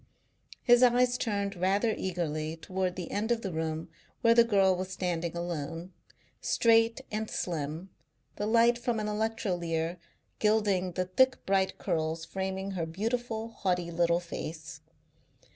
His eyes turned rather eagerly towards the end of the room where the girl was standing alone, straight and slim, the light from an electrolier gilding the thick bright curls framing her beautiful, haughty little face.